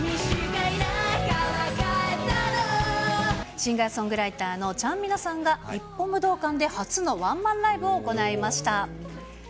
シンガーソングライターのちゃんみなさんが、日本武道館で初のワンマンライブを行いました。